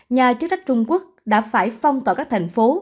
nhà chức trách trung quốc đã phải phong tỏa các thành phố